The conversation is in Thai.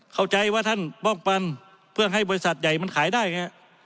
เข้าใจว่าท่านป้องกันเพื่อให้บริษัทใหญ่มันขายได้ไง